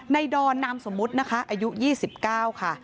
ในดอนนามสมมุติอายุ๒๙ค่ะ